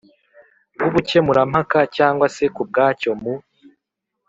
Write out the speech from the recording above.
Rw ubukemurampaka cyangwa se ku bwacyo mu